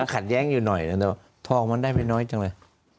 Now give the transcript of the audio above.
ขัดแย้งอยู่หน่อยแต่ว่าทองมันได้ไม่น้อยจังเลย